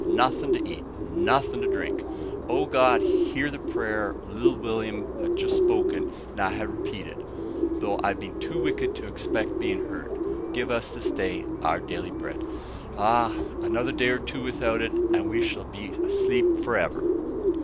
nothin' to eat! nothin' to drink! O God, hear the prayer little Will'm ha' just spoken and I ha' repeated, though I've been too wicked to expect bein' heard, `_Give us this day our daily bread_'! Ah! another day or two without it, an' we shall both be asleep forever!"